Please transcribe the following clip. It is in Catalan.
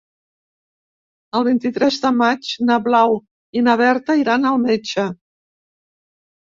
El vint-i-tres de maig na Blau i na Berta iran al metge.